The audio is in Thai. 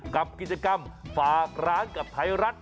กับกิจกรรมฝากร้านกับไทยรัฐ